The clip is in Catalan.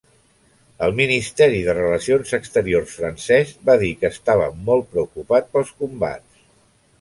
El ministeri de Relacions Exteriors francès va dir que estava molt preocupat pels combats.